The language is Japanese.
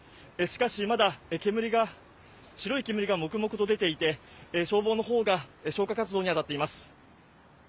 しかし、まだ白い煙がもくもくと出ていて消防のほうが消火活動に当たっています。